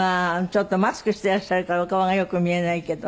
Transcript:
ちょっとマスクしていらっしゃるからお顔がよく見えないけど。